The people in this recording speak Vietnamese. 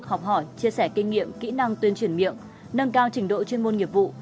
học hỏi chia sẻ kinh nghiệm kỹ năng tuyên truyền miệng nâng cao trình độ chuyên môn nghiệp vụ